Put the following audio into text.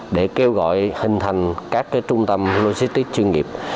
để kêu gọi hình thành các trung tâm logistics chuyên nghiệp